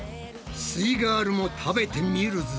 すイガールも食べてみるぞ。